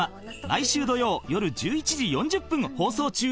毎週土曜夜１１時４０分放送中］